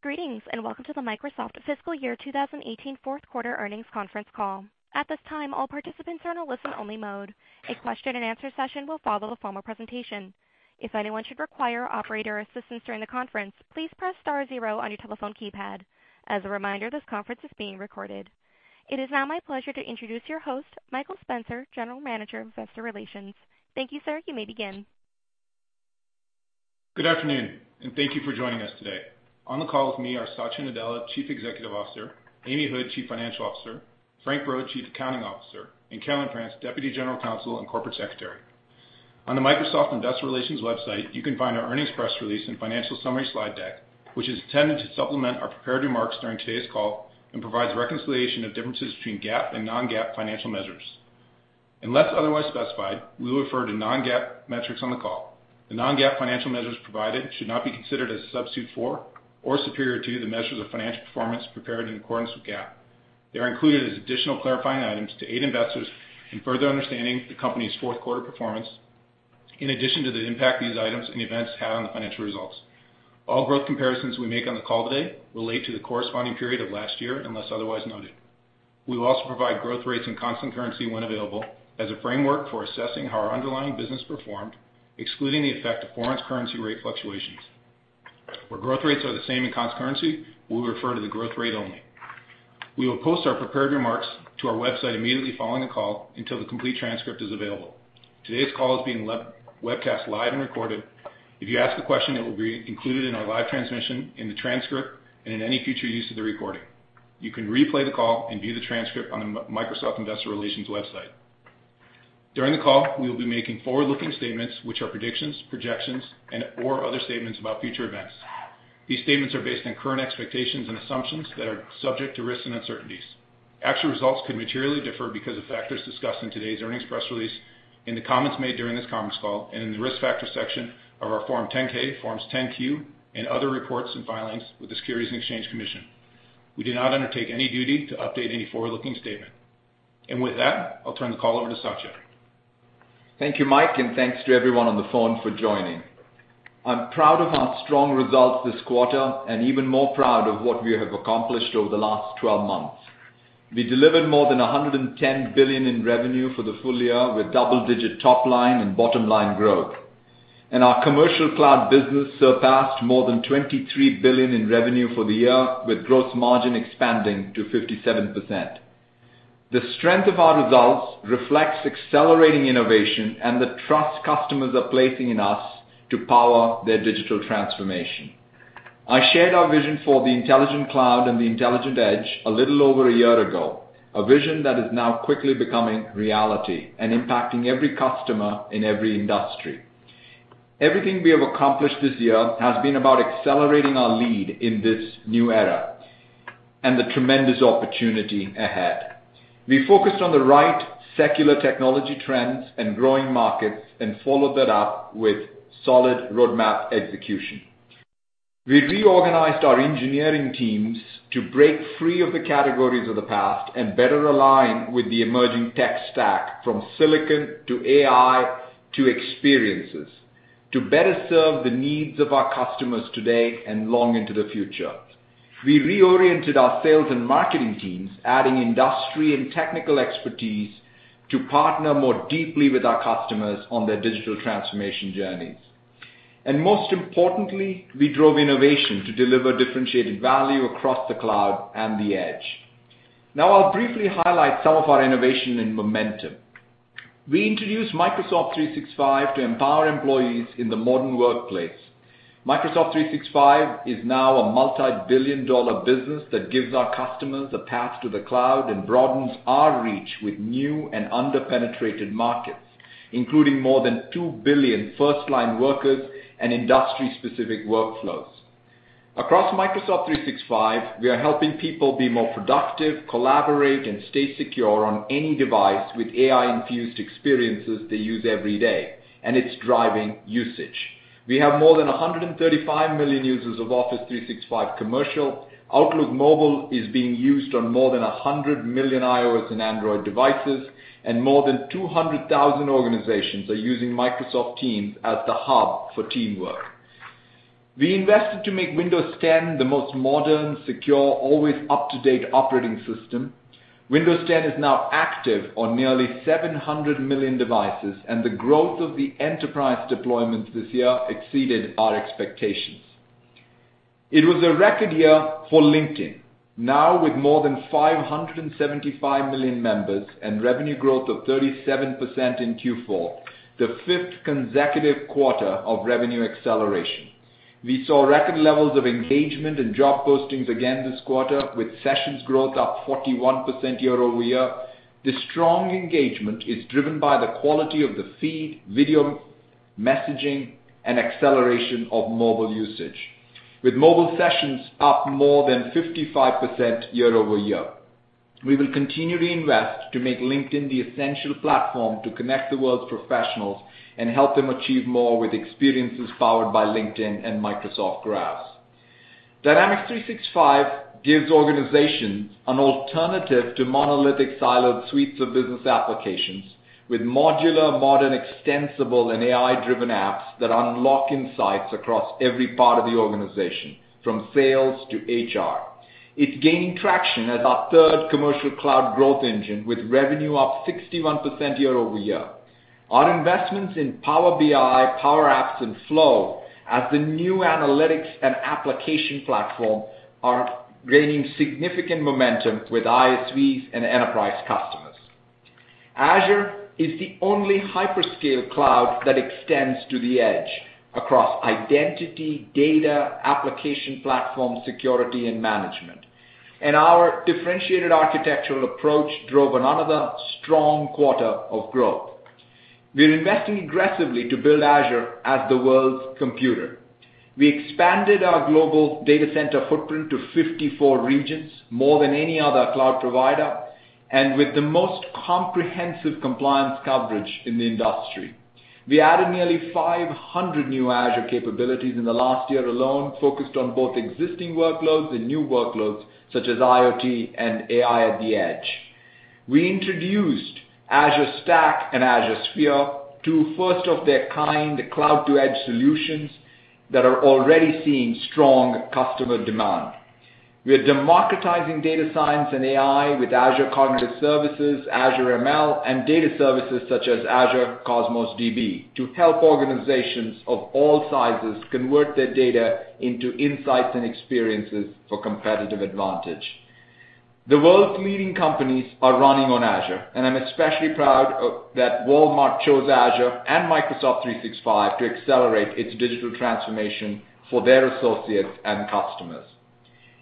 Greetings, and welcome to the Microsoft fiscal year 2018 fourth quarter earnings conference call. At this time, all participants are in listen-only mode. A question-and-answer session will follow the formal presentation. If anyone should require operator assistance during the conference, please press star zero on your telephone keypad. As a reminder, this conference is being recorded. It is now my pleasure to introduce your host, Michael Spencer, General Manager of Investor Relations. Thank you, sir. You may begin. Good afternoon, and thank you for joining us today. On the call with me are Satya Nadella, Chief Executive Officer, Amy Hood, Chief Financial Officer, Frank Brod, Chief Accounting Officer, and Carolyn Frantz, Deputy General Counsel and Corporate Secretary. On the Microsoft Investor Relations website, you can find our earnings press release and financial summary slide deck, which is intended to supplement our prepared remarks during today's call and provides reconciliation of differences between GAAP and non-GAAP financial measures. Unless otherwise specified, we will refer to non-GAAP metrics on the call. The non-GAAP financial measures provided should not be considered as a substitute for or superior to the measures of financial performance prepared in accordance with GAAP. They are included as additional clarifying items to aid investors in further understanding the company's fourth quarter performance in addition to the impact these items and events had on the financial results. All growth comparisons we make on the call today relate to the corresponding period of last year, unless otherwise noted. We will also provide growth rates in constant currency when available as a framework for assessing how our underlying business performed, excluding the effect of foreign currency rate fluctuations. Where growth rates are the same in constant currency, we will refer to the growth rate only. We will post our prepared remarks to our website immediately following the call until the complete transcript is available. Today's call is being webcast live and recorded. If you ask a question, it will be included in our live transmission, in the transcript, and in any future use of the recording. You can replay the call and view the transcript on the Microsoft Investor Relations website. During the call, we will be making forward-looking statements which are predictions, projections, and/or other statements about future events. These statements are based on current expectations and assumptions that are subject to risks and uncertainties. Actual results could materially differ because of factors discussed in today's earnings press release, in the comments made during this conference call, and in the risk factor section of our Form 10-K, Form 10-Q, and other reports and filings with the Securities and Exchange Commission. With that, I'll turn the call over to Satya. Thank you, Mike, and thanks to everyone on the phone for joining. I'm proud of our strong results this quarter and even more proud of what we have accomplished over the last 12 months. We delivered more than $110 billion in revenue for the full year with double-digit top line and bottom-line growth. Our commercial cloud business surpassed more than $23 billion in revenue for the year, with gross margin expanding to 57%. The strength of our results reflects accelerating innovation and the trust customers are placing in us to power their digital transformation. I shared our vision for the intelligent cloud and the intelligent edge a little over a year ago, a vision that is now quickly becoming reality and impacting every customer in every industry. Everything we have accomplished this year has been about accelerating our lead in this new era and the tremendous opportunity ahead. We focused on the right secular technology trends and growing markets and followed that up with solid roadmap execution. We reorganized our engineering teams to break free of the categories of the past and better align with the emerging tech stack, from silicon to AI to experiences, to better serve the needs of our customers today and long into the future. Most importantly, we drove innovation to deliver differentiated value across the cloud and the edge. I'll briefly highlight some of our innovation and momentum. We introduced Microsoft 365 to empower employees in the modern workplace. Microsoft 365 is now a multi-billion-dollar business that gives our customers a path to the cloud and broadens our reach with new and under-penetrated markets, including more than 2 billion firstline workers and industry-specific workflows. Across Microsoft 365, we are helping people be more productive, collaborate, and stay secure on any device with AI-infused experiences they use every day, and it's driving usage. We have more than 135 million users of Office 365 Commercial. Outlook Mobile is being used on more than 100 million iOS and Android devices, and more than 200,000 organizations are using Microsoft Teams as the hub for teamwork. We invested to make Windows 10 the most modern, secure, always up-to-date operating system. Windows 10 is now active on nearly 700 million devices, and the growth of the enterprise deployments this year exceeded our expectations. It was a record year for LinkedIn, now with more than 575 million members and revenue growth of 37% in Q4, the fifth consecutive quarter of revenue acceleration. We saw record levels of engagement and job postings again this quarter, with sessions growth up 41% year-over-year. This strong engagement is driven by the quality of the feed, video, messaging, and acceleration of mobile usage, with mobile sessions up more than 55% year-over-year. We will continue to invest to make LinkedIn the essential platform to connect the world's professionals and help them achieve more with experiences powered by LinkedIn and Microsoft Graph. Dynamics 365 gives organizations an alternative to monolithic siloed suites of business applications. With modular, modern, extensible, and AI-driven apps that unlock insights across every part of the organization, from sales to HR. It's gaining traction as our third commercial cloud growth engine with revenue up 61% year-over-year. Our investments in Power BI, Power Apps, and Flow as the new analytics and application platform are gaining significant momentum with ISVs and enterprise customers. Azure is the only hyperscale cloud that extends to the edge across identity, data, application platform, security, and management. Our differentiated architectural approach drove another strong quarter of growth. We're investing aggressively to build Azure as the world's computer. We expanded our global data center footprint to 54 regions, more than any other cloud provider, and with the most comprehensive compliance coverage in the industry. We added nearly 500 new Azure capabilities in the last year alone, focused on both existing workloads and new workloads such as IoT and AI at the edge. We introduced Azure Stack and Azure Sphere, two first-of-their-kind cloud-to-edge solutions that are already seeing strong customer demand. We are democratizing data science and AI with Azure Cognitive Services, Azure ML, and data services such as Azure Cosmos DB to help organizations of all sizes convert their data into insights and experiences for competitive advantage. The world's leading companies are running on Azure. I'm especially proud of that Walmart chose Azure and Microsoft 365 to accelerate its digital transformation for their associates and customers.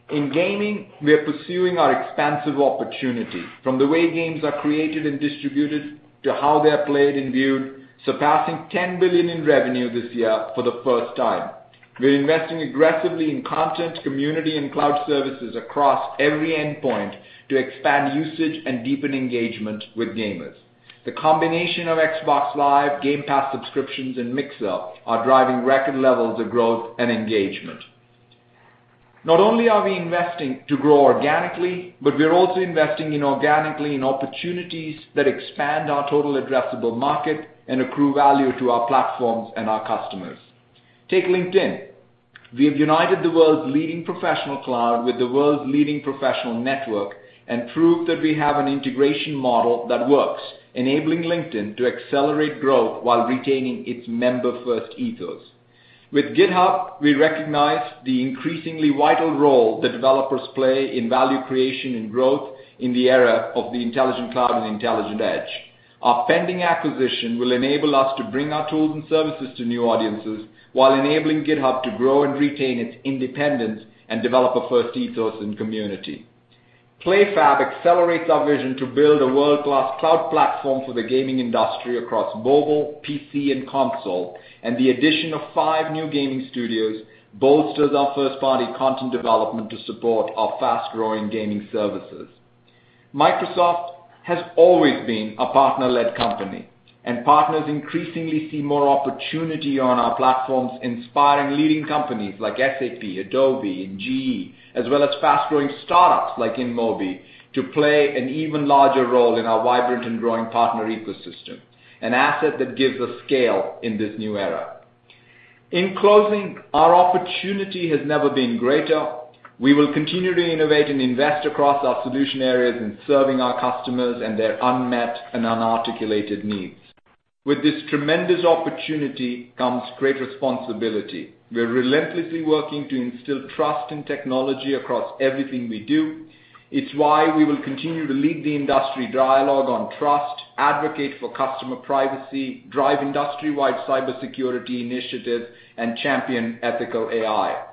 In gaming, we are pursuing our expansive opportunity from the way games are created and distributed to how they're played and viewed, surpassing $10 billion in revenue this year for the first time. We're investing aggressively in content, community, and cloud services across every endpoint to expand usage and deepen engagement with gamers. The combination of Xbox Live, Game Pass subscriptions, and Mixer are driving record levels of growth and engagement. Not only are we investing to grow organically, but we're also investing inorganically in opportunities that expand our total addressable market and accrue value to our platforms and our customers. Take LinkedIn. We have united the world's leading professional cloud with the world's leading professional network and proved that we have an integration model that works, enabling LinkedIn to accelerate growth while retaining its member-first ethos. With GitHub, we recognize the increasingly vital role that developers play in value creation and growth in the era of the intelligent cloud and intelligent edge. Our pending acquisition will enable us to bring our tools and services to new audiences while enabling GitHub to grow and retain its independence and developer-first ethos and community. PlayFab accelerates our vision to build a world-class cloud platform for the gaming industry across mobile, PC, and console, and the addition of five new gaming studios bolsters our first-party content development to support our fast-growing gaming services. Microsoft has always been a partner-led company, and partners increasingly see more opportunity on our platforms, inspiring leading companies like SAP, Adobe, and GE, as well as fast-growing startups like InMobi to play an even larger role in our vibrant and growing partner ecosystem, an asset that gives us scale in this new era. In closing, our opportunity has never been greater. We will continue to innovate and invest across our solution areas in serving our customers and their unmet and unarticulated needs. With this tremendous opportunity comes great responsibility. We're relentlessly working to instill trust in technology across everything we do. It's why we will continue to lead the industry dialogue on trust, advocate for customer privacy, drive industry-wide cybersecurity initiatives, and champion ethical AI.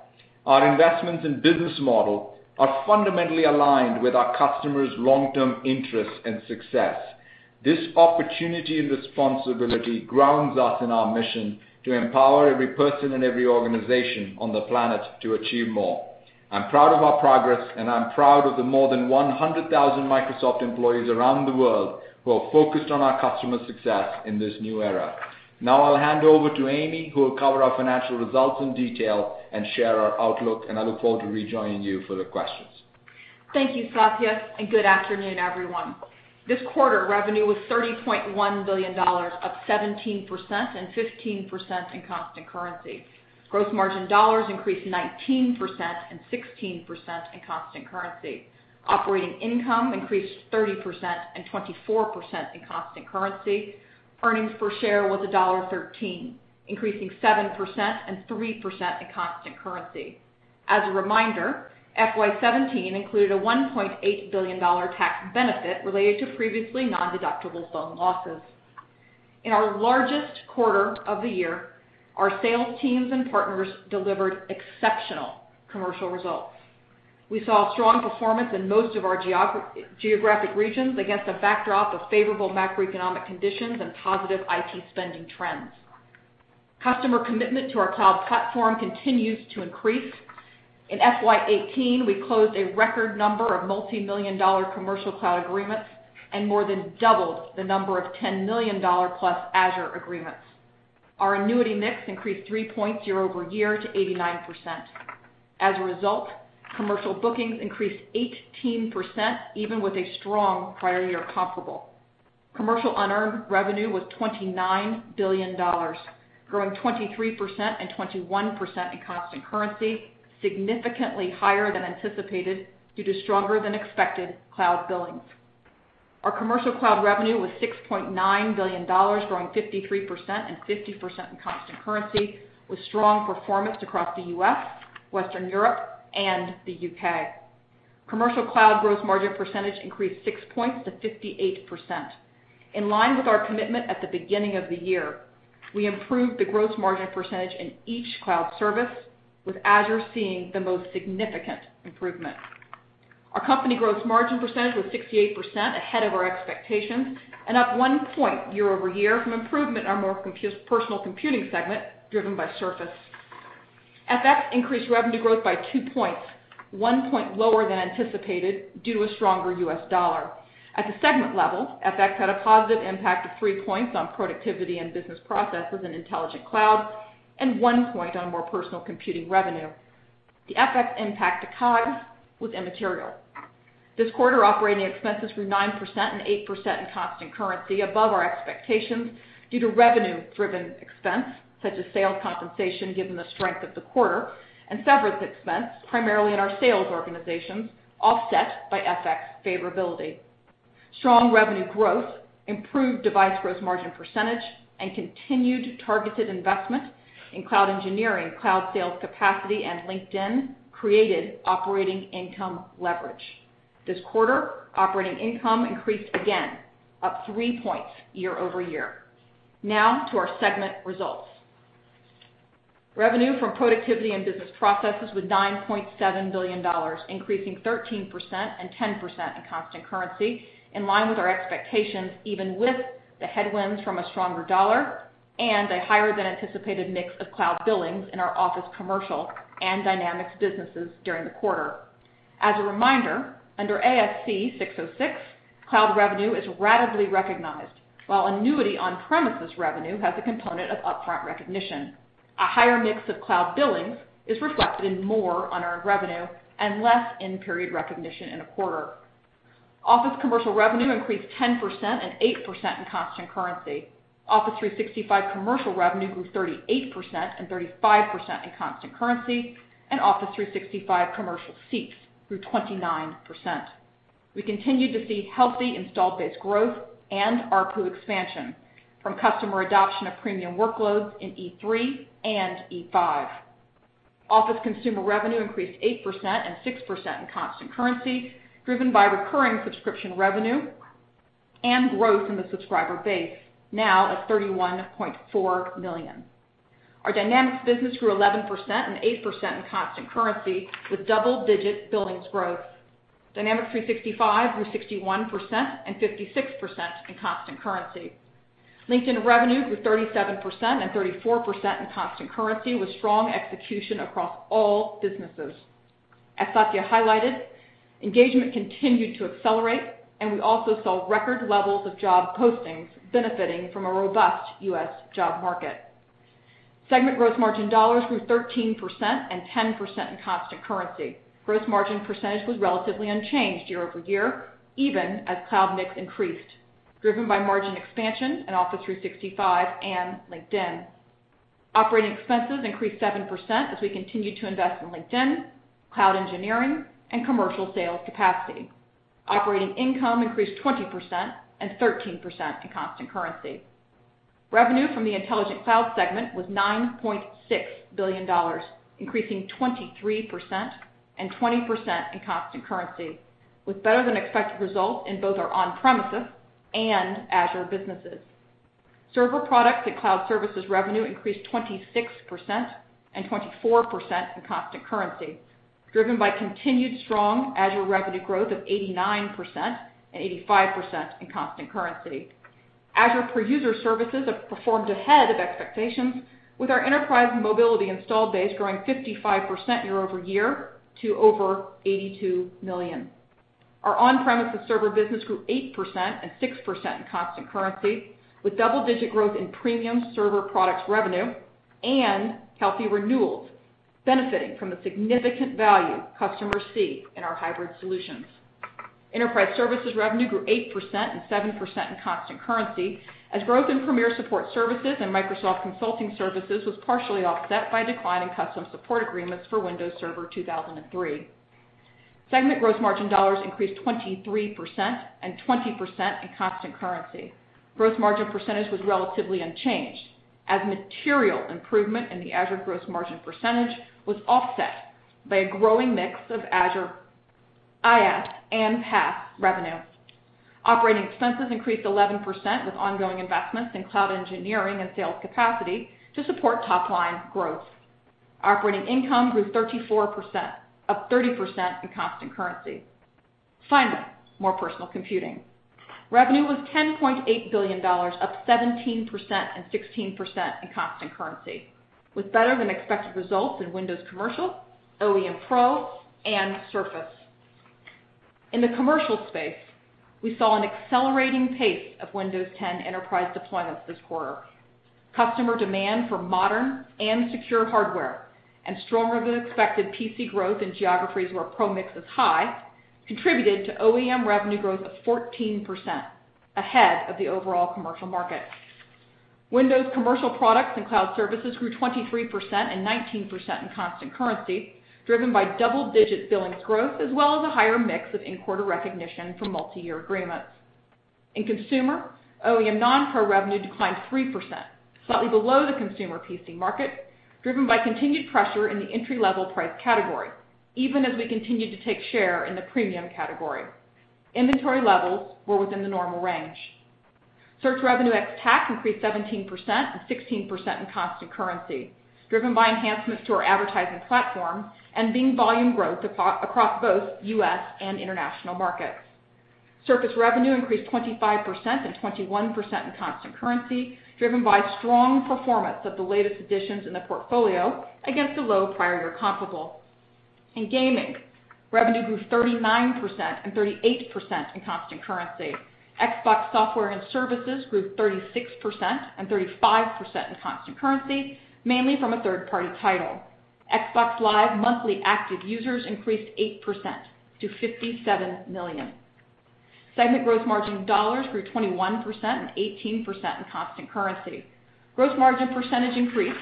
Our investments and business model are fundamentally aligned with our customers' long-term interests and success. This opportunity and responsibility grounds us in our mission to empower every person and every organization on the planet to achieve more. I'm proud of our progress, and I'm proud of the more than 100,000 Microsoft employees around the world who are focused on our customer success in this new era. Now I'll hand over to Amy, who will cover our financial results in detail and share our outlook, and I look forward to rejoining you for the questions. Thank you, Satya. Good afternoon, everyone. This quarter, revenue was $30.1 billion, up 17% and 15% in constant currency. Gross margin dollars increased 19% and 16% in constant currency. Operating income increased 30% and 24% in constant currency. Earnings per share was $1.13, increasing 7% and 3% in constant currency. As a reminder, FY 2017 included a $1.8 billion tax benefit related to previously nondeductible phone losses. In our largest quarter of the year, our sales teams and partners delivered exceptional commercial results. We saw strong performance in most of our geographic regions against a backdrop of favorable macroeconomic conditions and positive IT spending trends. Customer commitment to our cloud platform continues to increase. In FY 2018, we closed a record number of multimillion-dollar commercial cloud agreements and more than doubled the number of $10 million-plus Azure agreements. Our annuity mix increased three points year-over-year to 89%. As a result, commercial bookings increased 18% even with a strong prior year comparable. Commercial unearned revenue was $29 billion, growing 23% and 21% in constant currency, significantly higher than anticipated due to stronger-than-expected cloud billings. Our commercial cloud revenue was $6.9 billion, growing 53% and 50% in constant currency, with strong performance across the U.S., Western Europe, and the U.K. Commercial cloud gross margin percentage increased six points to 58%. In line with our commitment at the beginning of the year, we improved the gross margin percentage in each cloud service, with Azure seeing the most significant improvement. Our company gross margin percentage was 68%, ahead of our expectations and up one point year-over-year from improvement in our More Personal Computing segment driven by Surface. FX increased revenue growth by two points, one point lower than anticipated due to a stronger U.S. dollar. At the segment level, FX had a positive impact of three points on Productivity And Business processes in Intelligent Cloud and one point on More Personal Computing revenue. The FX impact to COGS was immaterial. This quarter, operating expenses grew 9% and 8% in constant currency above our expectations due to revenue driven expense, such as sales compensation given the strength of the quarter and severance expense primarily in our sales organizations offset by FX favorability. Strong revenue growth, improved device gross margin percentage, and continued targeted investment in cloud engineering, cloud sales capacity, and LinkedIn created operating income leverage. This quarter, operating income increased again, up three points year-over-year. To our segment results. Revenue from Productivity And Business processes was $9.7 billion, increasing 13% and 10% in constant currency, in line with our expectations, even with the headwinds from a stronger dollar and a higher than anticipated mix of cloud billings in our Office Commercial and Dynamics businesses during the quarter. As a reminder, under ASC 606, cloud revenue is ratably recognized, while annuity on-premises revenue has a component of upfront recognition. A higher mix of cloud billings is reflected in more unearned revenue and less in-period recognition in a quarter. Office Commercial revenue increased 10% and 8% in constant currency. Office 365 Commercial revenue grew 38% and 35% in constant currency, and Office 365 Commercial seats grew 29%. We continued to see healthy installed base growth and ARPU expansion from customer adoption of premium workloads in E3 and E5. Office Consumer revenue increased 8% and 6% in constant currency, driven by recurring subscription revenue and growth in the subscriber base, now at 31.4 million. Our Dynamics business grew 11% and 8% in constant currency with double-digit billings growth. Dynamics 365 grew 61% and 56% in constant currency. LinkedIn revenue grew 37% and 34% in constant currency with strong execution across all businesses. As Satya highlighted, engagement continued to accelerate, and we also saw record levels of job postings benefiting from a robust U.S. job market. Segment gross margin dollars grew 13% and 10% in constant currency. Gross margin percentage was relatively unchanged year-over-year, even as cloud mix increased, driven by margin expansion in Office 365 and LinkedIn. Operating expenses increased 7% as we continued to invest in LinkedIn, cloud engineering, and commercial sales capacity. Operating income increased 20% and 13% in constant currency. Revenue from the Intelligent Cloud segment was $9.6 billion, increasing 23% and 20% in constant currency, with better than expected results in both our on-premises and Azure businesses. Server products and cloud services revenue increased 26% and 24% in constant currency, driven by continued strong Azure revenue growth of 89% and 85% in constant currency. Azure per user services have performed ahead of expectations with our Enterprise Mobility installed base growing 55% year-over-year to over $82 million. Our on-premises server business grew 8% and 6% in constant currency with double-digit growth in premium server products revenue and healthy renewals benefiting from the significant value customers see in our hybrid solutions. Enterprise services revenue grew 8% and 7% in constant currency as growth in Premier Support Services and Microsoft Consulting Services was partially offset by a decline in custom support agreements for Windows Server 2003. Segment gross margin dollars increased 23% and 20% in constant currency. Gross margin percentage was relatively unchanged as material improvement in the Azure gross margin percentage was offset by a growing mix of Azure IaaS and PaaS revenue. Operating expenses increased 11% with ongoing investments in cloud engineering and sales capacity to support top line growth. Operating income grew 34%, up 30% in constant currency. Finally, more personal computing. Revenue was $10.8 billion, up 17% and 16% in constant currency, with better than expected results in Windows Commercial, OEM Pro, and Surface. In the commercial space, we saw an accelerating pace of Windows 10 enterprise deployments this quarter. Customer demand for modern and secure hardware and stronger than expected PC growth in geographies where pro mix is high contributed to OEM revenue growth of 14% ahead of the overall commercial market. Windows Commercial products and cloud services grew 23% and 19% in constant currency, driven by double-digit billings growth as well as a higher mix of in-quarter recognition from multiyear agreements. In consumer, OEM non-Pro revenue declined 3%, slightly below the consumer PC market, driven by continued pressure in the entry-level price category, even as we continued to take share in the premium category. Search ex TAC increased 17% and 16% in constant currency, driven by enhancements to our advertising platform and Bing volume growth across both U.S. and international markets. Surface revenue increased 25% and 21% in constant currency, driven by strong performance of the latest additions in the portfolio against a low prior year comparable. In gaming, revenue grew 39% and 38% in constant currency. Xbox software and services grew 36% and 35% in constant currency, mainly from a third-party title. Xbox Live monthly active users increased 8% to 57 million. Segment growth margin dollars grew 21% and 18% in constant currency. Gross margin percentage increased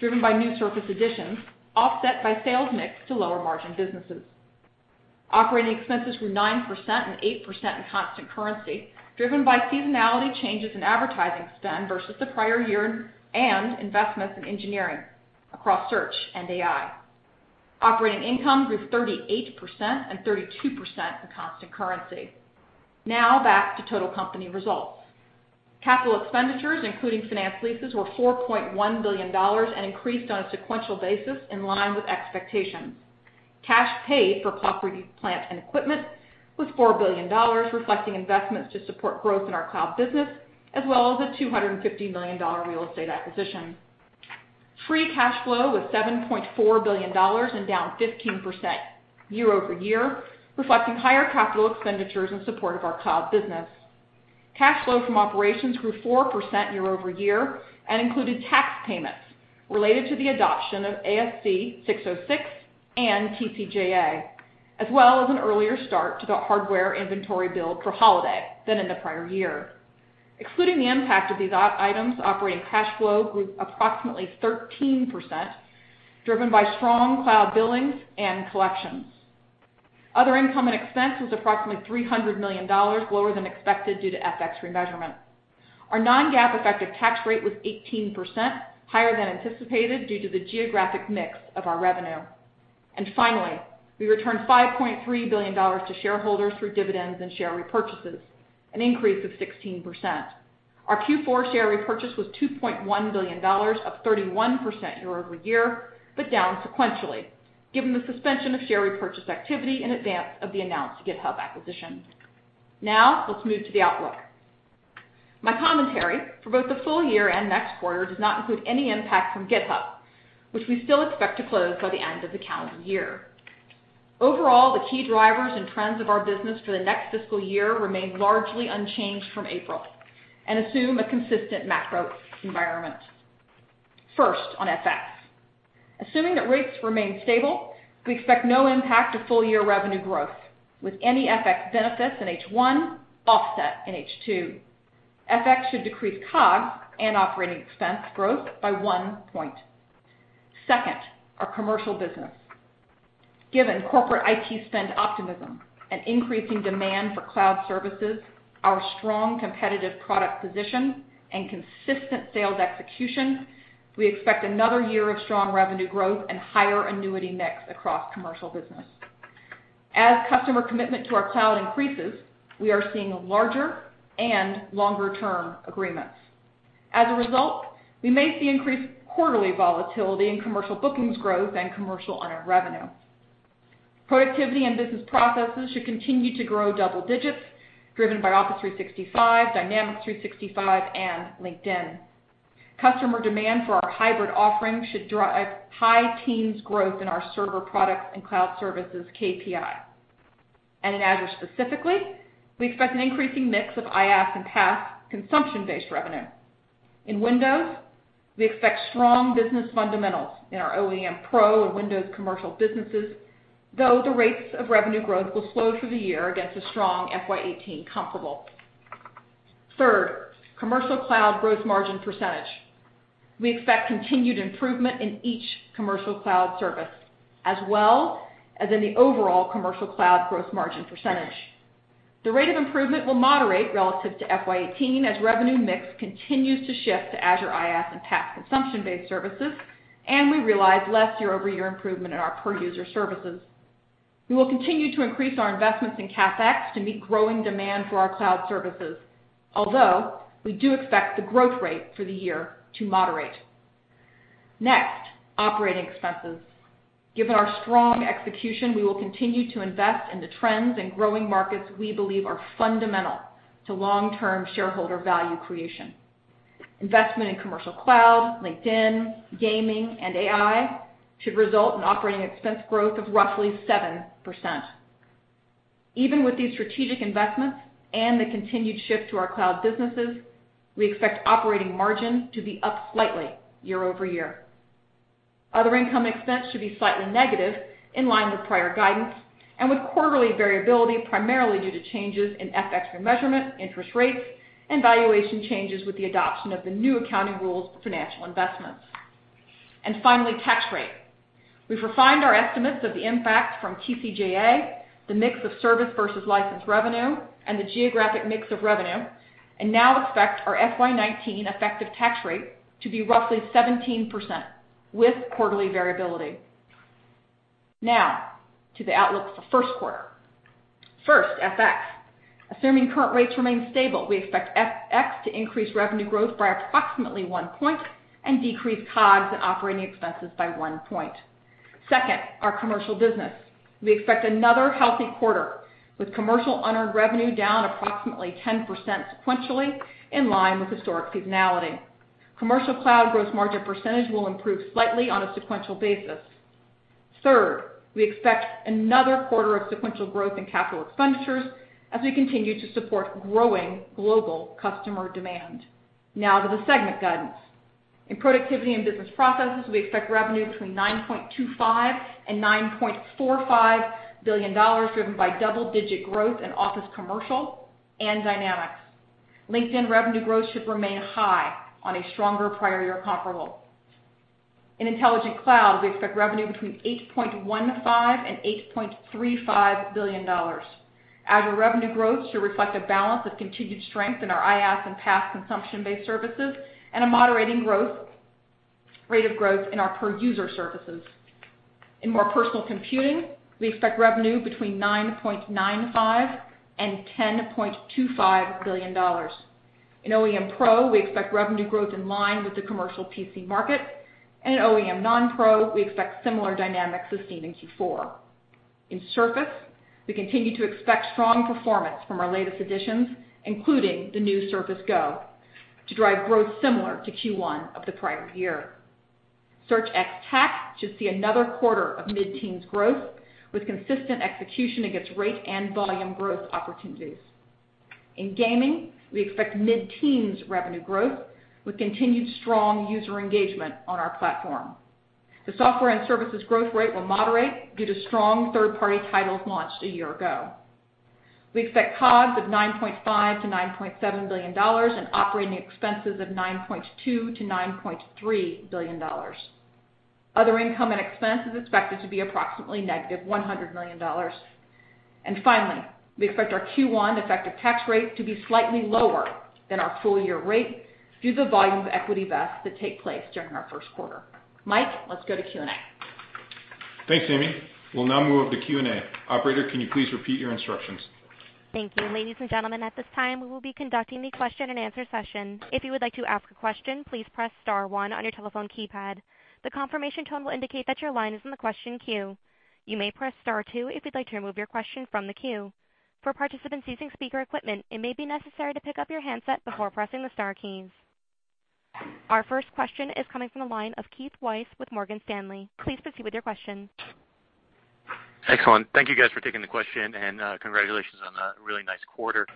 driven by new Surface additions, offset by sales mix to lower margin businesses. Operating expenses were 9% and 8% in constant currency, driven by seasonality changes in advertising spend versus the prior year and investments in engineering across search and AI. Operating income grew 38% and 32% in constant currency. Now back to total company results. Capital expenditures, including finance leases, were $4.1 billion and increased on a sequential basis in line with expectations. Cash paid for property, plant, and equipment was $4 billion, reflecting investments to support growth in our cloud business, as well as a $250 million real estate acquisition. Free cash flow was $7.4 billion and down 15% year-over-year, reflecting higher CapEx in support of our cloud business. Cash flow from operations grew 4% year-over-year and included tax payments related to the adoption of ASC 606 and TCJA, as well as an earlier start to the hardware inventory build for holiday than in the prior year. Excluding the impact of these items, operating cash flow grew approximately 13%, driven by strong cloud billings and collections. Other income and expense was approximately $300 million lower than expected due to FX remeasurement. Our non-GAAP effective tax rate was 18%, higher than anticipated due to the geographic mix of our revenue. Finally, we returned $5.3 billion to shareholders through dividends and share repurchases, an increase of 16%. Our Q4 share repurchase was $2.1 billion, up 31% year-over-year, down sequentially given the suspension of share repurchase activity in advance of the announced GitHub acquisition. Let's move to the outlook. My commentary for both the full year and next quarter does not include any impact from GitHub, which we still expect to close by the end of the calendar year. Overall, the key drivers and trends of our business for the next fiscal year remain largely unchanged from April and assume a consistent macro environment. First, on FX. Assuming that rates remain stable, we expect no impact to full year revenue growth with any FX benefits in H1 offset in H2. FX should decrease COGS and operating expense growth by one point. Second, our commercial business. Given corporate IT spend optimism and increasing demand for cloud services, our strong competitive product position and consistent sales execution, we expect another year of strong revenue growth and higher annuity mix across commercial business. As customer commitment to our cloud increases, we are seeing larger and longer-term agreements. As a result, we may see increased quarterly volatility in commercial bookings growth and commercial earned revenue. Productivity and business processes should continue to grow double digits driven by Office 365, Dynamics 365, and LinkedIn. Customer demand for our hybrid offering should drive high teens growth in our server products and cloud services KPI. In Azure specifically, we expect an increasing mix of IaaS and PaaS consumption-based revenue. In Windows, we expect strong business fundamentals in our OEM Pro and Windows commercial businesses, though the rates of revenue growth will slow through the year against a strong FY 2018 comparable. Third, commercial cloud gross margin percentage. We expect continued improvement in each commercial cloud service as well as in the overall commercial cloud gross margin percentage. The rate of improvement will moderate relative to FY 2018 as revenue mix continues to shift to Azure IaaS and PaaS consumption-based services, and we realize less year-over-year improvement in our per-user services. We will continue to increase our investments in CapEx to meet growing demand for our cloud services, although we do expect the growth rate for the year to moderate. Next, operating expenses. Given our strong execution, we will continue to invest in the trends and growing markets we believe are fundamental to long-term shareholder value creation. Investment in commercial cloud, LinkedIn, gaming, and AI should result in operating expense growth of roughly 7%. Even with these strategic investments and the continued shift to our cloud businesses, we expect operating margin to be up slightly year-over-year. Other income expense should be slightly negative in line with prior guidance and with quarterly variability, primarily due to changes in FX remeasurement, interest rates, and valuation changes with the adoption of the new accounting rules for financial investments. Finally, tax rate. We've refined our estimates of the impact from TCJA, the mix of service versus licensed revenue, and the geographic mix of revenue, and now expect our FY 2019 effective tax rate to be roughly 17% with quarterly variability. Now to the outlook for first quarter. First, FX. Assuming current rates remain stable, we expect FX to increase revenue growth by approximately one point and decrease COGS and operating expenses by one point. Second, our commercial business. We expect another healthy quarter with commercial unearned revenue down approximately 10% sequentially in line with historic seasonality. Commercial Cloud gross margin percentage will improve slightly on a sequential basis. Third, we expect another quarter of sequential growth in capital expenditures as we continue to support growing global customer demand. Now to the segment guidance. In Productivity and Business Processes, we expect revenue between $9.25 billion and $9.45 billion, driven by double-digit growth in Office Commercial and Dynamics. LinkedIn revenue growth should remain high on a stronger prior year comparable. In Intelligent Cloud, we expect revenue between $8.15 billion and $8.35 billion. Azure revenue growth should reflect a balance of continued strength in our IaaS and PaaS consumption-based services and a moderating rate of growth in our per user services. In More Personal Computing, we expect revenue between $9.95 billion and $10.25 billion. In OEM Pro, we expect revenue growth in line with the commercial PC market. In OEM Non-Pro, we expect similar dynamics as seen in Q4. In Surface, we continue to expect strong performance from our latest additions, including the new Surface Go, to drive growth similar to Q1 of the prior year. Search ex TAC should see another quarter of mid-teens growth with consistent execution against rate and volume growth opportunities. In gaming, we expect mid-teens revenue growth with continued strong user engagement on our platform. The software and services growth rate will moderate due to strong third-party titles launched a year ago. We expect COGS of $9.5 billion-$9.7 billion and operating expenses of $9.2 billion-$9.3 billion. Other income and expense is expected to be approximately negative $100 million. Finally, we expect our Q1 effective tax rate to be slightly lower than our full year rate due to volume of equity vests that take place during our first quarter. Mike, let's go to Q&A. Thanks, Amy. We'll now move to Q&A. Operator, can you please repeat your instructions? Thank you. Ladies and gentlemen, at this time, we will be conducting the question-and-answer session. If you would like to ask a question, please press star one on your telephone keypad. The confirmation tone will indicate that your line is in the question queue. You may press star two if you'd like to remove your question from the queue. For participants using speaker equipment, it may be necessary to pick up your handset before pressing the star keys. Our first question is coming from the line of Keith Weiss with Morgan Stanley. Please proceed with your question. Excellent. Thank you guys for taking the question, congratulations on a really nice quarter.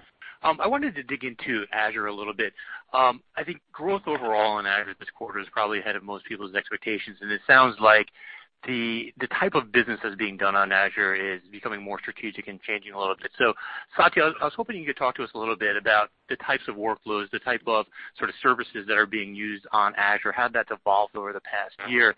I wanted to dig into Azure a little bit. I think growth overall in Azure this quarter is probably ahead of most people's expectations, and it sounds like the type of business that's being done on Azure is becoming more strategic and changing a little bit. Satya, I was hoping you could talk to us a little bit about the types of workflows, the type of sort of services that are being used on Azure, how that's evolved over the past year.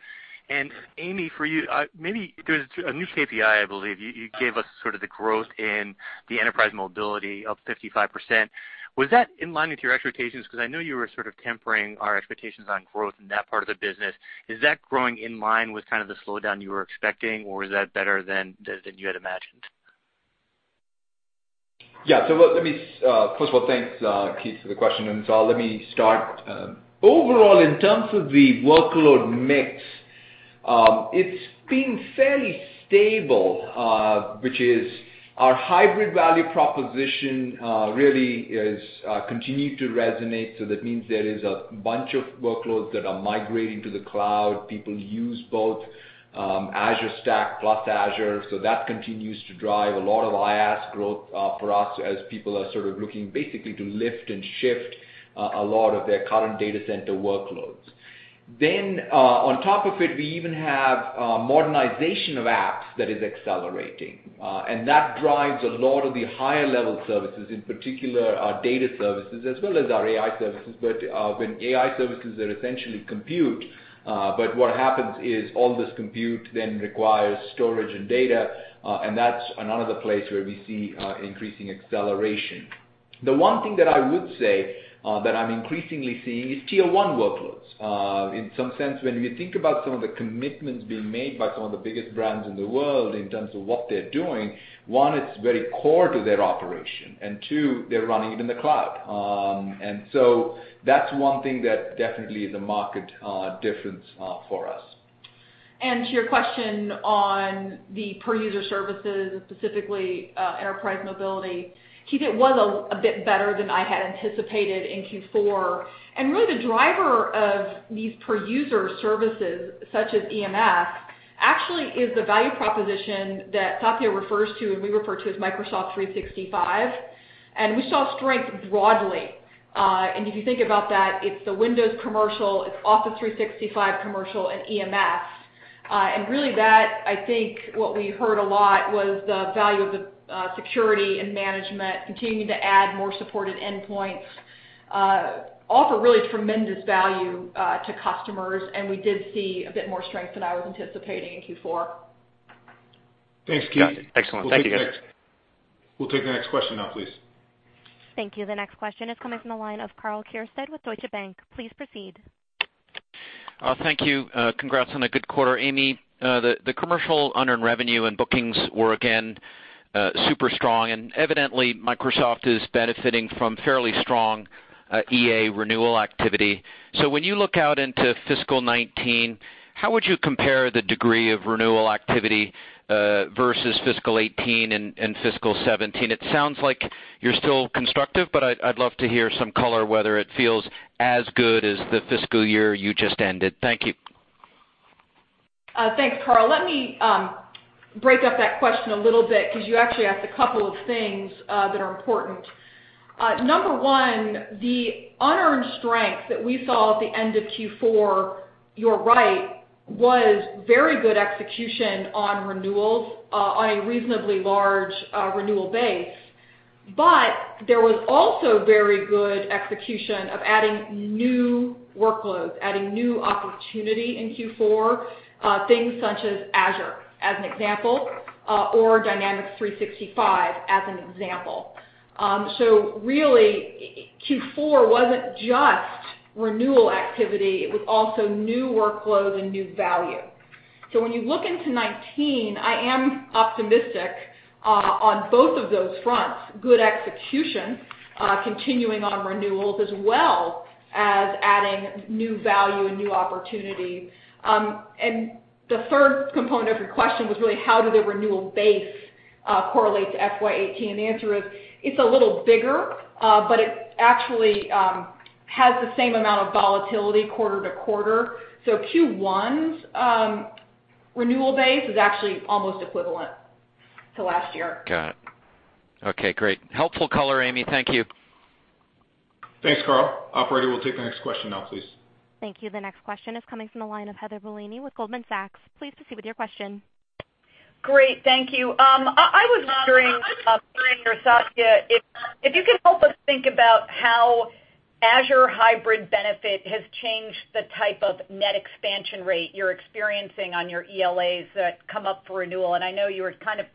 Amy, for you, maybe there's a new KPI, I believe. You gave us sort of the growth in the Enterprise Mobility up 55%. Was that in line with your expectations? I know you were sort of tempering our expectations on growth in that part of the business. Is that growing in line with kind of the slowdown you were expecting, or is that better than you had imagined? Yeah. Let me First of all, thanks, Keith, for the question. Let me start. Overall, in terms of the workload mix, it's been fairly stable, which is our hybrid value proposition, really is continued to resonate. That means there is a bunch of workloads that are migrating to the cloud. People use both, Azure Stack plus Azure, that continues to drive a lot of IaaS growth for us as people are sort of looking basically to lift and shift a lot of their current data center workloads. On top of it, we even have modernization of apps that is accelerating, that drives a lot of the higher level services, in particular our data services as well as our AI services. When AI services are essentially compute, but what happens is all this compute then requires storage and data, and that's another place where we see increasing acceleration. The one thing that I would say that I'm increasingly seeing is Tier 1 workloads. In some sense, when you think about some of the commitments being made by some of the biggest brands in the world in terms of what they're doing, one, it's very core to their operation, and two, they're running it in the cloud. That's one thing that definitely is a market difference for us. To your question on the per-user services, specifically, Enterprise Mobility, Keith, it was a bit better than I had anticipated in Q4. Really the driver of these per-user services, such as EMS, actually is the value proposition that Satya refers to and we refer to as Microsoft 365. We saw strength broadly. If you think about that, it's the Windows commercial, it's Office 365 Commercial and EMS. Really that, I think what we heard a lot, was the value of the security and management continuing to add more supported endpoints, offer really tremendous value to customers, and we did see a bit more strength than I was anticipating in Q4. Thanks, Keith. Got it. Excellent. Thank you, guys. We'll take the next question now, please. Thank you. The next question is coming from the line of Karl Keirstead with Deutsche Bank. Please proceed. Thank you. Congrats on a good quarter. Amy, the commercial unearned revenue and bookings were again super strong, and evidently Microsoft is benefiting from fairly strong EA renewal activity. When you look out into FY 2019, how would you compare the degree of renewal activity versus FY 2018 and FY 2017? It sounds like you're still constructive, but I'd love to hear some color whether it feels as good as the fiscal year you just ended. Thank you. Thanks, Karl. Let me break up that question a little bit 'cause you actually asked a couple of things that are important. Number one, the unearned strength that we saw at the end of Q4, you're right, was very good execution on renewals, on a reasonably large renewal base. But there was also very good execution of adding new workloads, adding new opportunity in Q4, things such as Azure, as an example, or Dynamics 365 as an example. Really, Q4 wasn't just renewal activity, it was also new workloads and new value. When you look into FY 2019, I am optimistic on both of those fronts, good execution, continuing on renewals as well as adding new value and new opportunity. The third component of your question was really how did the renewal base correlate to FY 2018, and the answer is it's a little bigger, but it actually has the same amount of volatility quarte-to-quarter. Q1's renewal base is actually almost equivalent to last year. Got it. Okay. Great. Helpful color, Amy. Thank you. Thanks, Karl. Operator, we'll take the next question now, please. Thank you. The next question is coming from the line of Heather Bellini with Goldman Sachs. Please proceed with your question. Great. Thank you. I was wondering, Satya, if you could help us think about how Azure hybrid benefit has changed the type of net expansion rate you're experiencing on your ELAs that come up for renewal. I know you were kind of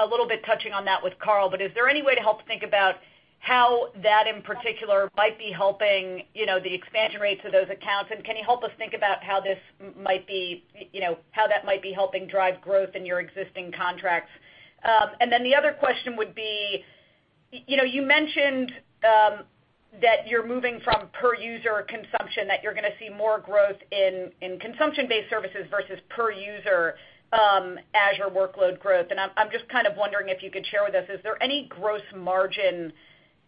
a little bit touching on that with Karl, but is there any way to help think about how that in particular might be helping, you know, the expansion rates of those accounts? Can you help us think about how this might be helping drive growth in your existing contracts? Then the other question would be, you know, you mentioned that you're moving from per-user consumption, that you're gonna see more growth in consumption-based services versus per-user Azure workload growth. I'm just kind of wondering if you could share with us, is there any gross margin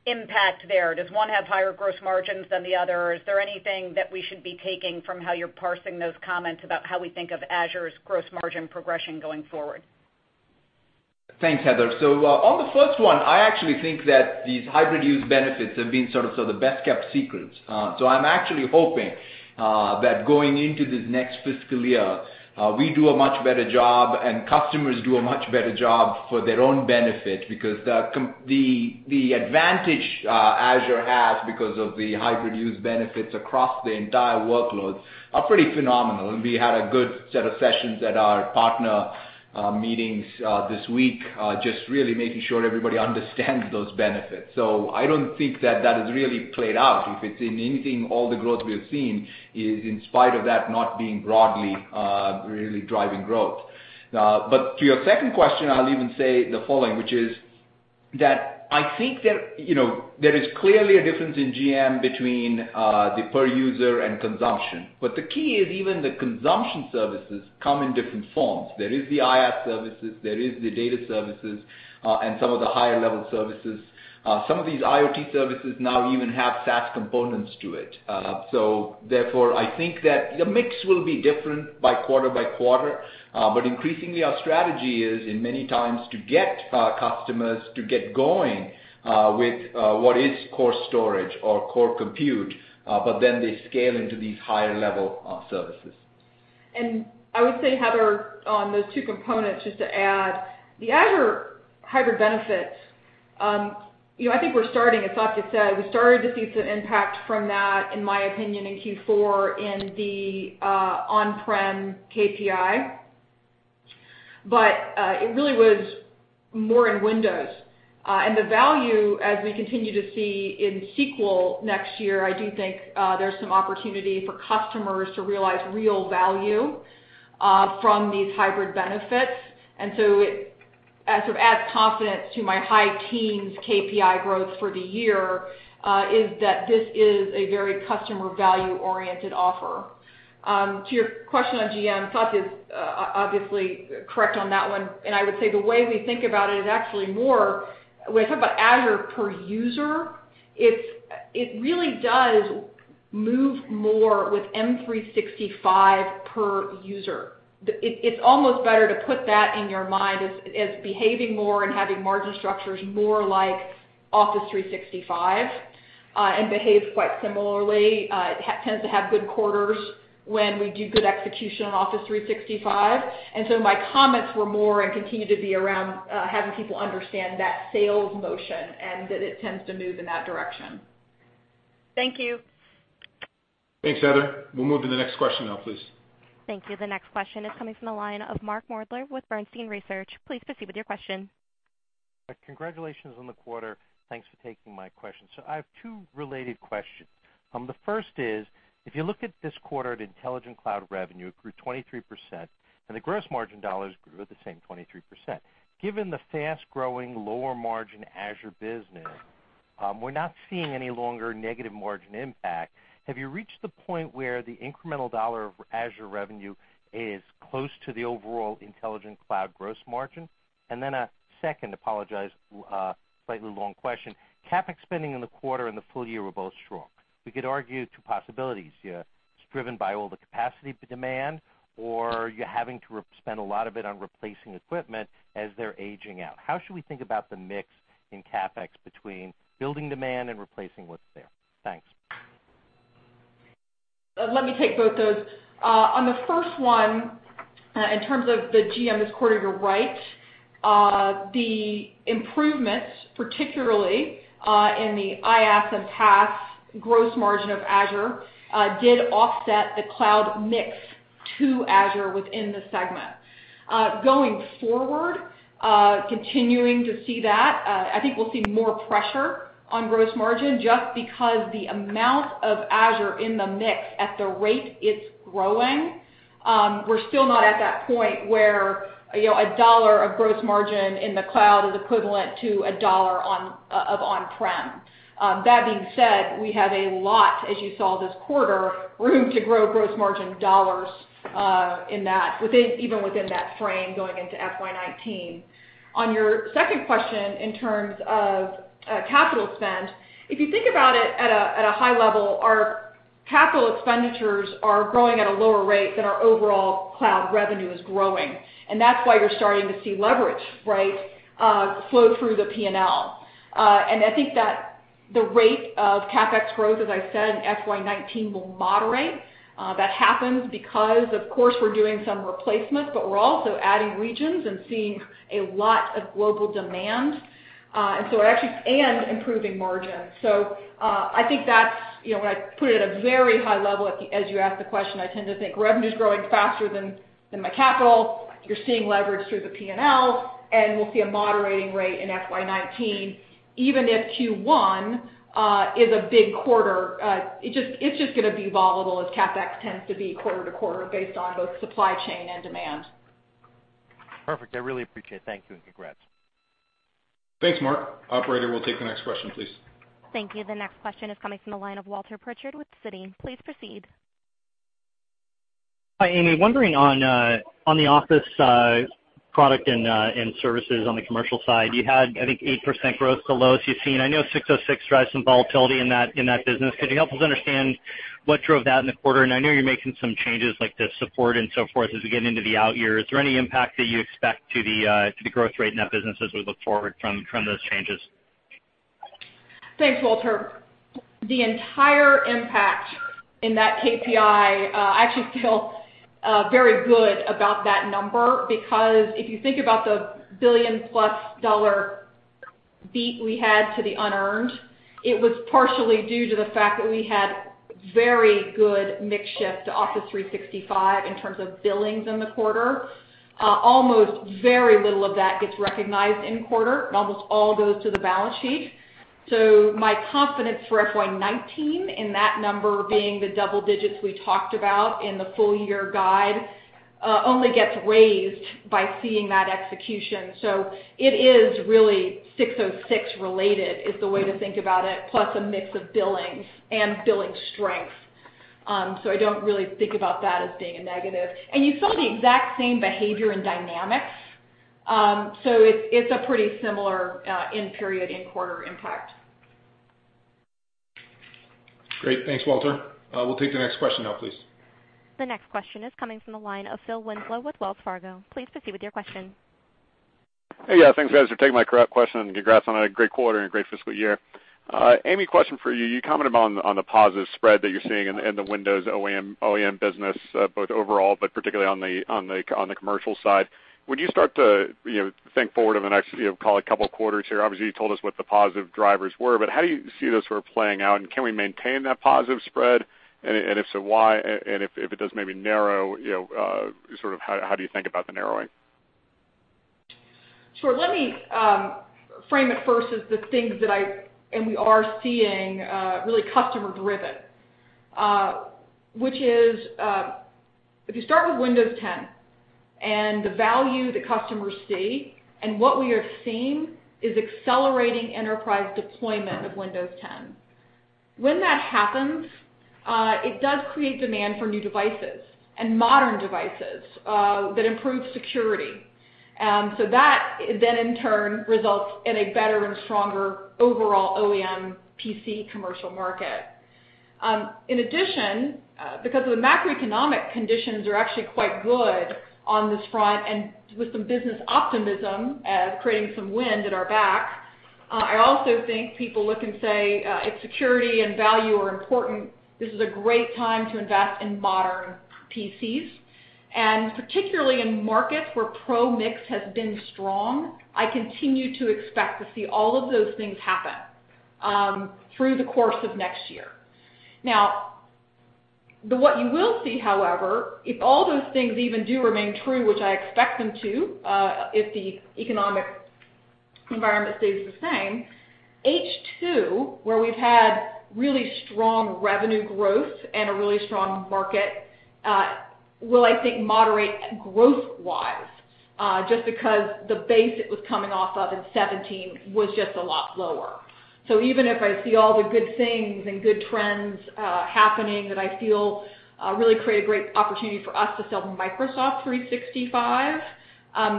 impact there? Does one have higher gross margins than the other? Is there anything that we should be taking from how you're parsing those comments about how we think of Azure's gross margin progression going forward? Thanks, Heather. On the first one, I actually think that these hybrid use benefits have been sort of the best-kept secret. I'm actually hoping that going into this next fiscal year, we do a much better job and customers do a much better job for their own benefit because the advantage Azure has because of the hybrid use benefits across the entire workloads are pretty phenomenal. We had a good set of sessions at our partner meetings this week, just really making sure everybody understands those benefits. I don't think that that has really played out. If it's in anything, all the growth we have seen is in spite of that not being broadly really driving growth. To your second question, I'll even say the following, which is that I think there, you know, there is clearly a difference in GM between the per user and consumption. The key is even the consumption services come in different forms. There is the IaaS services, there is the data services and some of the higher level services. Some of these IoT services now even have SaaS components to it. Therefore, I think that the mix will be different by quarter by quarter, but increasingly our strategy is in many times to get our customers to get going with what is core storage or core compute, but then they scale into these higher level services. I would say, Heather, on those two components, just to add, the Azure hybrid benefits, you know, I think we're starting, as Satya said, we started to see some impact from that, in my opinion, in Q4 in the on-prem KPI. It really was more in Windows. The value as we continue to see in SQL next year, I do think there's some opportunity for customers to realize real value from these hybrid benefits. It adds confidence to my high teens KPI growth for the year, is that this is a very customer value-oriented offer. To your question on GM, Satya's obviously correct on that one, and I would say the way we think about it is actually more when I talk about Azure per user, it really does move more with Microsoft 365 per user. It's almost better to put that in your mind as behaving more and having margin structures more like Office 365 and behaves quite similarly. It tends to have good quarters when we do good execution on Office 365. My comments were more and continue to be around having people understand that sales motion and that it tends to move in that direction. Thank you. Thanks, Heather. We'll move to the next question now, please. Thank you. The next question is coming from the line of Mark Moerdler with Bernstein Research. Please proceed with your question. Congratulations on the quarter. Thanks for taking my question. I have two related questions. The first is, if you look at this quarter at Intelligent Cloud revenue, it grew 23%, and the gross margin dollars grew at the same 23%. Given the fast-growing lower margin Azure business, we're not seeing any longer negative margin impact. Have you reached the point where the incremental dollar of Azure revenue is close to the overall Intelligent Cloud gross margin? A second, apologize, slightly long question. CapEx spending in the quarter and the full year were both strong. We could argue two possibilities. It's driven by all the capacity demand, or you're having to re-spend a lot of it on replacing equipment as they're aging out. How should we think about the mix in CapEx between building demand and replacing what's there? Thanks. Let me take both those. On the first one, in terms of the GM this quarter, you're right. The improvements, particularly, in the IaaS and PaaS gross margin of Azure, did offset the cloud mix to Azure within the segment. Going forward, continuing to see that, I think we'll see more pressure on gross margin just because the amount of Azure in the mix at the rate it's growing, we're still not at that point where, you know, $1 of gross margin in the cloud is equivalent to $1 of on-prem. That being said, we have a lot, as you saw this quarter, room to grow gross margin dollars, in that, within, even within that frame going into FY 2019. On your second question, in terms of capital spend, if you think about it at a high level, our capital expenditures are growing at a lower rate than our overall cloud revenue is growing, and that's why you're starting to see leverage, right, flow through the P&L. And I think that the rate of CapEx growth, as I said in FY 2019, will moderate. That happens because, of course, we're doing some replacement, but we're also adding regions and seeing a lot of global demand, and so it actually and improving margins. I think that's, you know, when I put it at a very high level as you asked the question, I tend to think revenue's growing faster than my capital. You're seeing leverage through the P&L, and we'll see a moderating rate in FY 2019, even if Q1 is a big quarter. It's just gonna be volatile as CapEx tends to be quarter-to-quarter based on both supply chain and demand. Perfect. I really appreciate it. Thank you, and congrats. Thanks, Mark. Operator, we'll take the next question, please. Thank you. The next question is coming from the line of Walter Pritchard with Citi. Please proceed. Hi, Amy. Wondering on the Office product and services on the commercial side. You had, I think, 8% growth, the lowest you've seen. I know ASC 606 drives some volatility in that business. Could you help us understand what drove that in the quarter? I know you're making some changes like the support and so forth as we get into the out years. Is there any impact that you expect to the growth rate in that business as we look forward from those changes? Thanks, Walter. The entire impact in that KPI, I actually feel very good about that number because if you think about the billion-plus dollar beat we had to the unearned, it was partially due to the fact that we had very good mix shift to Office 365 in terms of billings in the quarter. Almost very little of that gets recognized in quarter. Almost all goes to the balance sheet. My confidence for FY 2019 in that number being the double digits we talked about in the full-year guide, only gets raised by seeing that execution. It is really ASC 606 related is the way to think about it, plus a mix of billings and billing strength. I don't really think about that as being a negative. You saw the exact same behavior in Dynamics, so it's a pretty similar, in period, in quarter impact. Great. Thanks, Walter. We'll take the next question now, please. The next question is coming from the line of Phil Winslow with Wells Fargo. Please proceed with your question. Hey. Yeah, thanks, guys, for taking my question. Congrats on a great quarter and a great fiscal year. Amy, question for you. You commented on the positive spread that you're seeing in the Windows OEM business, both overall, but particularly on the commercial side. When you start to, you know, think forward over the next, you know, call it couple quarters here, obviously, you told us what the positive drivers were, but how do you see those sort of playing out, and can we maintain that positive spread? If so, why? If it does maybe narrow, you know, sort of how do you think about the narrowing? Sure. Let me frame it first as the things that I and we are seeing, really customer driven, which is, if you start with Windows 10 and the value the customers see, and what we are seeing is accelerating enterprise deployment of Windows 10. When that happens, it does create demand for new devices and modern devices, that improve security. That then in turn results in a better and stronger overall OEM PC commercial market. In addition, because the macroeconomic conditions are actually quite good on this front and with some business optimism as creating some wind at our back, I also think people look and say, if security and value are important, this is a great time to invest in modern PCs. Particularly in markets where Pro mix has been strong, I continue to expect to see all of those things happen through the course of next year. What you will see, however, if all those things even do remain true, which I expect them to, if the economic environment stays the same, H2, where we've had really strong revenue growth and a really strong market, will, I think, moderate growth-wise, just because the base it was coming off of in 17 was just a lot lower. Even if I see all the good things and good trends happening that I feel really create a great opportunity for us to sell Microsoft 365,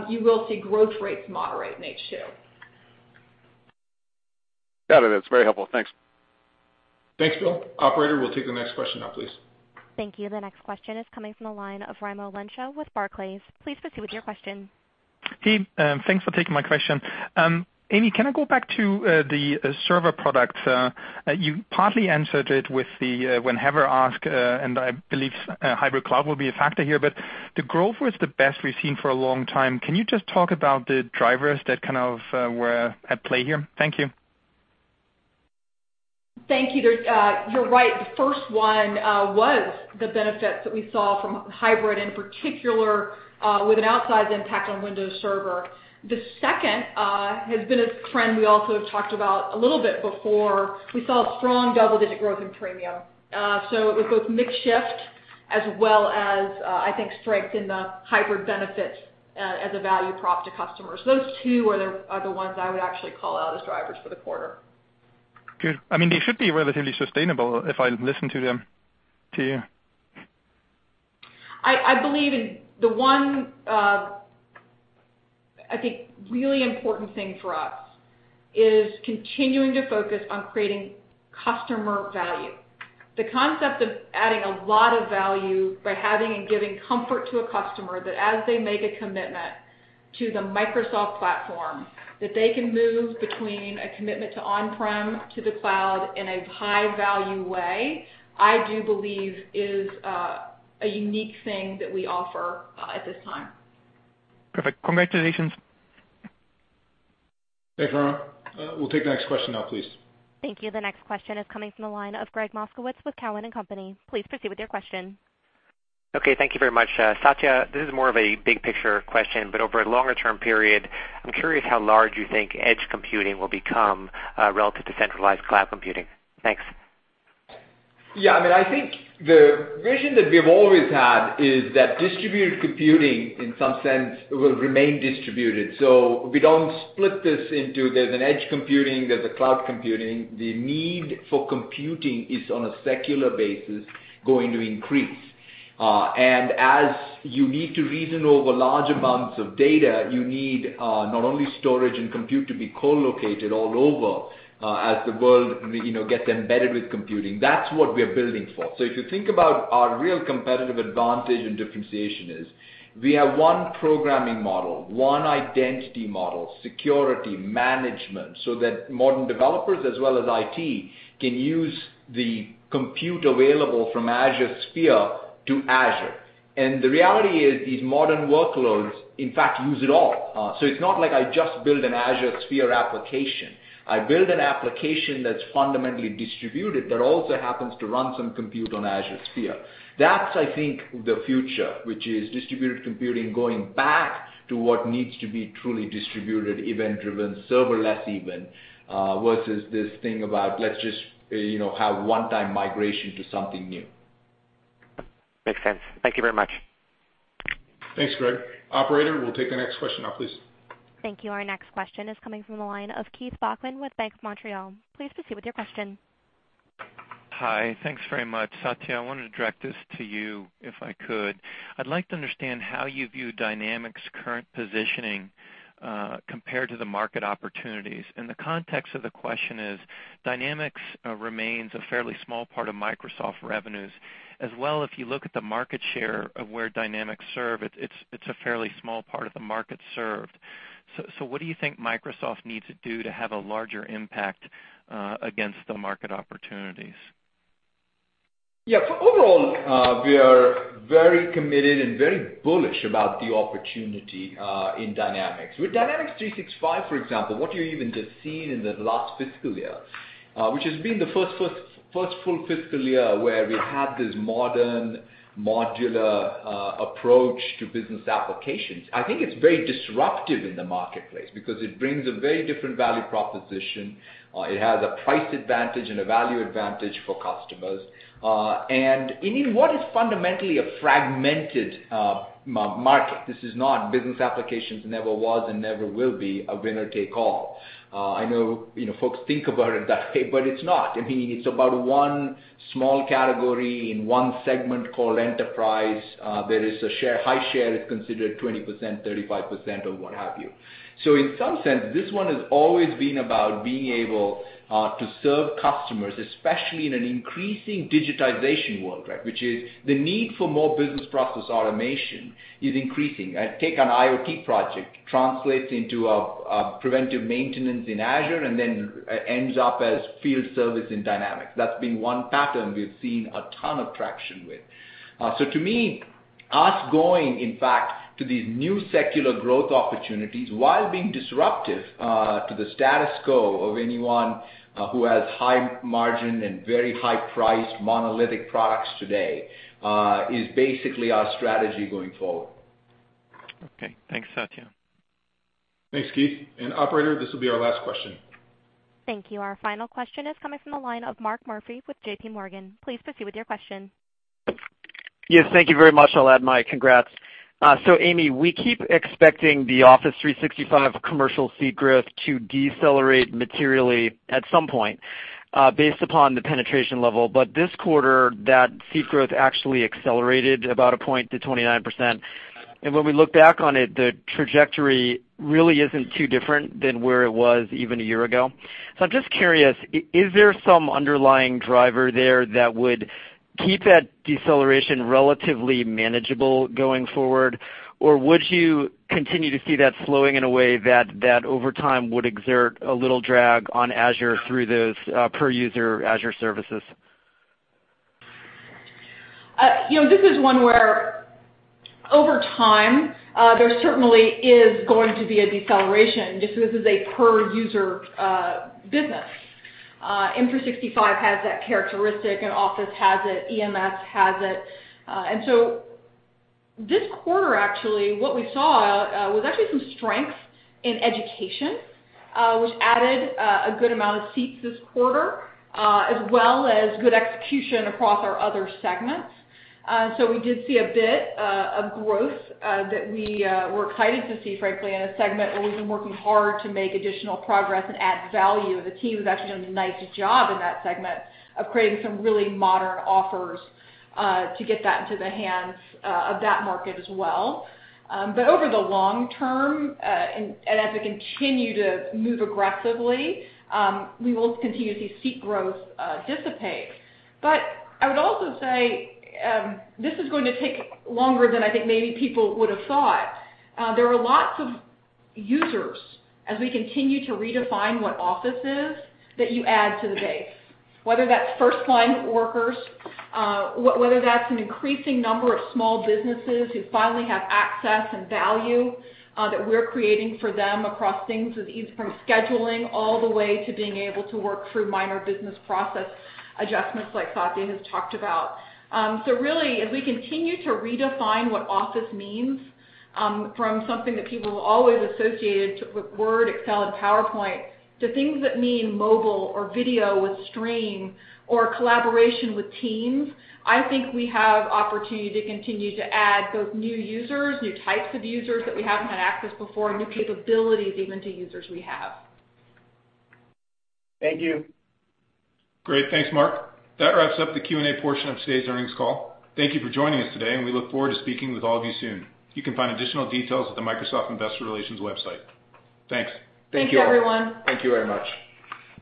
you will see growth rates moderate in H2. Got it. It's very helpful. Thanks. Thanks, Phil. Operator, we'll take the next question now, please. Thank you. The next question is coming from the line of Raimo Lenschow with Barclays. Please proceed with your question. Hey, thanks for taking my question. Amy, can I go back to the server product? You partly answered it with the when Heather asked, I believe hybrid cloud will be a factor here, the growth was the best we've seen for a long time. Can you just talk about the drivers that kind of were at play here? Thank you. Thank you. You're right. The first one was the benefits that we saw from hybrid, in particular, with an outsized impact on Windows Server. The second has been a trend we also have talked about a little bit before. We saw strong double-digit growth in premium. It was both mix shift as well as I think strength in the hybrid benefit as a value prop to customers. Those two are the ones I would actually call out as drivers for the quarter. Good. I mean, they should be relatively sustainable if I listen to them, to you. I believe in the one, I think really important thing for us is continuing to focus on creating customer value. The concept of adding a lot of value by having and giving comfort to a customer that as they make a commitment to the Microsoft platform, that they can move between a commitment to on-prem to the cloud in a high-value way, I do believe is a unique thing that we offer at this time. Perfect. Congratulations. Thanks, Raimo. We'll take the next question now, please. Thank you. The next question is coming from the line of Gregg Moskowitz with Cowen and Company. Please proceed with your question. Okay. Thank you very much. Satya, this is more of a big picture question, but over a longer-term period, I'm curious how large you think edge computing will become, relative to centralized cloud computing. Thanks. Yeah. I mean, I think the vision that we've always had is that distributed computing in some sense will remain distributed. We don't split this into there's an edge computing, there's a cloud computing. The need for computing is on a secular basis going to increase. As you need to reason over large amounts of data, you need not only storage and compute to be co-located all over, as the world, you know, gets embedded with computing. That's what we are building for. If you think about our real competitive advantage and differentiation is we have one programming model, one identity model, security, management, so that modern developers as well as IT can use the compute available from Azure Sphere to Azure. The reality is these modern workloads in fact use it all. It's not like I just build an Azure Sphere application. I build an application that's fundamentally distributed that also happens to run some compute on Azure Sphere. That's, I think, the future, which is distributed computing going back to what needs to be truly distributed, event-driven, serverless even, versus this thing about let's just, you know, have one-time migration to something new. Makes sense. Thank you very much. Thanks, Gregg. Operator, we'll take the next question now, please. Thank you. Our next question is coming from the line of Keith Bachman with Bank of Montreal. Please proceed with your question. Hi. Thanks very much. Satya, I wanted to direct this to you, if I could. I'd like to understand how you view Dynamics' current positioning compared to the market opportunities. The context of the question is, Dynamics remains a fairly small part of Microsoft revenues. As well, if you look at the market share of where Dynamics serve, it's a fairly small part of the market served. What do you think Microsoft needs to do to have a larger impact against the market opportunities? Yeah, for overall, we are very committed and very bullish about the opportunity in Dynamics. With Dynamics 365, for example, what you even just seen in the last fiscal year, which has been the first full fiscal year where we have this modern modular approach to business applications, I think it's very disruptive in the marketplace because it brings a very different value proposition. It has a price advantage and a value advantage for customers. In what is fundamentally a fragmented market. This is not business applications never was and never will be a winner take all. I know, you know, folks think about it that way, but it's not. I mean, it's about one small category in one segment called enterprise. There is a high share is considered 20%, 35% or what have you. In some sense, this one has always been about being able to serve customers, especially in an increasing digitization world, right? Which is the need for more business process automation is increasing. Take an IoT project translates into a preventive maintenance in Azure and then ends up as field service in Dynamics. That's been one pattern we've seen a ton of traction with. To me, us going, in fact, to these new secular growth opportunities while being disruptive to the status quo of anyone who has high margin and very high-priced monolithic products today, is basically our strategy going forward. Okay. Thanks, Satya. Thanks, Keith. Operator, this will be our last question. Thank you. Our final question is coming from the line of Mark Murphy with JPMorgan. Please proceed with your question. Yes, thank you very much. I'll add my congrats. Amy, we keep expecting the Office 365 Commercial seat growth to decelerate materially at some point, based upon the penetration level. This quarter, that seat growth actually accelerated about a point to 29%. When we look back on it, the trajectory really isn't too different than where it was even a year ago. I'm just curious, is there some underlying driver there that would keep that deceleration relatively manageable going forward? Would you continue to see that slowing in a way that that over time would exert a little drag on Azure through those, per user Azure services? You know, this is one where over time, there certainly is going to be a deceleration just as this is a per user business. Microsoft 365 has that characteristic, and Office has it, Enterprise Mobility + Security has it. This quarter, actually, what we saw, was actually some strength in education, which added a good amount of seats this quarter, as well as good execution across our other segments. We did see a bit of growth that we were excited to see, frankly, in a segment where we've been working hard to make additional progress and add value. The team has actually done a nice job in that segment of creating some really modern offers to get that into the hands of that market as well. Over the long term, and as we continue to move aggressively, we will continue to see seat growth dissipate. I would also say, this is going to take longer than I think maybe people would have thought. There are lots of users as we continue to redefine what Office is that you add to the base, whether that's firstline workers, whether that's an increasing number of small businesses who finally have access and value, that we're creating for them across things as easy from scheduling all the way to being able to work through minor business process adjustments like Satya has talked about. Really as we continue to redefine what Office means, from something that people always associated Word, Excel, and PowerPoint to things that mean mobile or video with Stream or collaboration with Teams, I think we have opportunity to continue to add both new users, new types of users that we haven't had access before, new capabilities even to users we have. Thank you. Great. Thanks, Mark. That wraps up the Q&A portion of today's earnings call. Thank you for joining us today, and we look forward to speaking with all of you soon. You can find additional details at the Microsoft Investor Relations website. Thanks. Thanks, everyone. Thank you very much.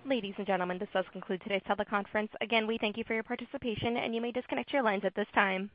Ladies and gentlemen, this does conclude today's teleconference. Again, we thank you for your participation, and you may disconnect your lines at this time.